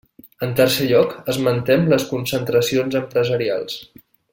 En tercer lloc, esmentem les concentracions empresarials.